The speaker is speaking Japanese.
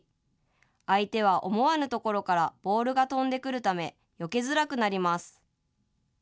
相手は思わぬところからボールが飛んでくるためよけづらくなります。